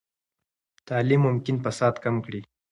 تعلیم ممکن فساد کم کړي.